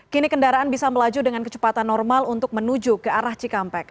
kini kendaraan bisa melaju dengan kecepatan normal untuk menuju ke arah cikampek